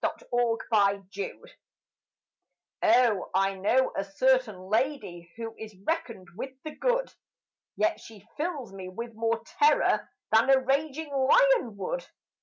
_ A PIN Oh, I know a certain woman who is reckoned with the good, But she fills me with more terror than a raging lion would.